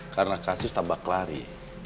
karena kasus tabak lari